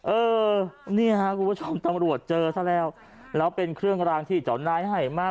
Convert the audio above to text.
เออเนี่ยฮะคุณผู้ชมตำรวจเจอซะแล้วแล้วเป็นเครื่องรางที่เจ้านายให้มา